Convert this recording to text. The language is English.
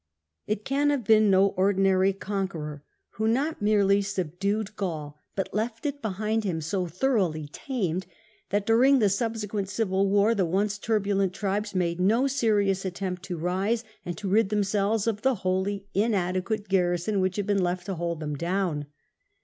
It can have been no ordinary conqueror who not merely subdued C^SAK 316 Gaul, but left it behind him so thoroughly tamed that, during the subsequent Civil War, the once turbulent tribes made no serious attempt to rise, and to rid them selves of the wholly inadequate garrison which had been left to hold them down.